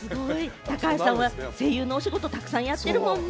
高橋さんは声優のお仕事、たくさんやってるもんね。